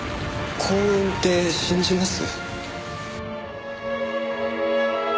幸運って信じます？